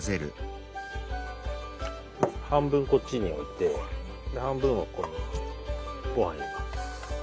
半分こっちに置いて半分はここにごはん入れます。